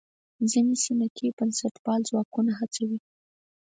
ځینې سنتي بنسټپال ځواکونه هڅه کوي.